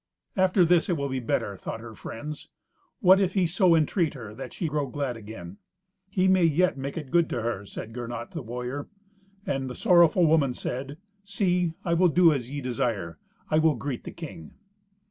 "After this it will be better," thought her friends. "What if he so entreat her that she grow glad again?" "He may yet make it good to her," said Gernot, the warrior. And the sorrowful woman said, "See, I will do as ye desire; I will greet the king."